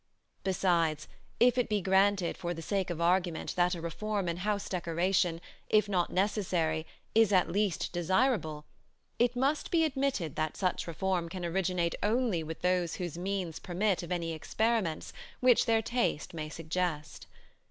Besides, if it be granted for the sake of argument that a reform in house decoration, if not necessary, is at least desirable, it must be admitted that such reform can originate only with those whose means permit of any experiments which their taste may suggest.